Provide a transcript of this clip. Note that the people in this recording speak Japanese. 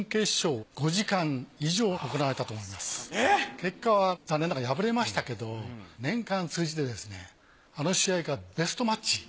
結果は残念ながら敗れましたけど年間を通じてですねあの試合がベストマッチ。